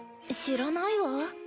知らないわ。